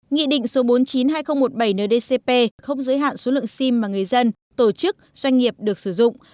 nghị định số bốn trăm chín mươi hai nghìn một mươi bảy ndcp không giới hạn số lượng sim mà người dân tổ chức doanh nghiệp được sử dụng